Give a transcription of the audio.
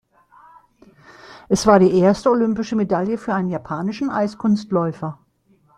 Es war die erste olympische Medaille für einen japanischen Eiskunstläufer.